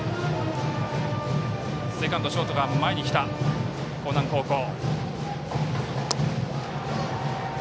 セカンド、ショートは前に来た興南高校。